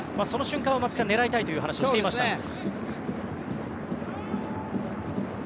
その瞬間を狙いたいという話をしていました。